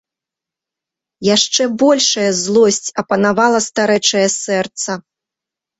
Яшчэ большая злосць апанавала старэчае сэрца.